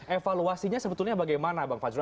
evaluasinya sebetulnya bagaimana bang fajrul